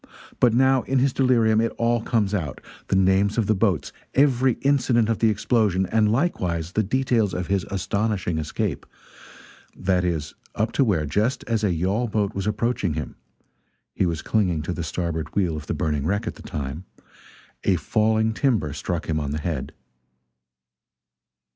But now in his delirium it all comes out: the names of the boats, every incident of the explosion, and likewise the details of his astonishing escape that is, up to where, just as a yawl boat was approaching him (he was clinging to the starboard wheel of the burning wreck at the time), a falling timber struck him on the head.